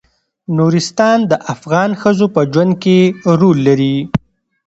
نورستان د افغان ښځو په ژوند کې رول لري.